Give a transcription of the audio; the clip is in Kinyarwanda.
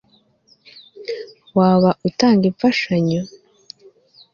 waba utanga imfashanyo